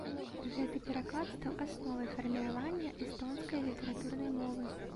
Гэты пераклад стаў асновай фарміравання эстонскае літаратурнай мовы.